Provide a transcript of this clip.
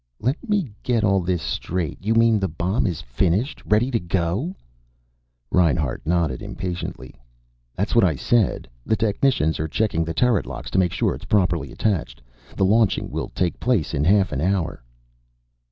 "Let me get all this straight. You mean the bomb is finished? Ready to go?" Reinhart nodded impatiently. "That's what I said. The Technicians are checking the turret locks to make sure it's properly attached. The launching will take place in half an hour."